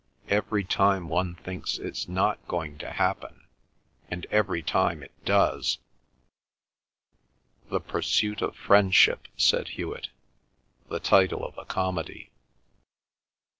Every time one thinks it's not going to happen, and every time it does." "The pursuit of Friendship," said Hewet. "The title of a comedy."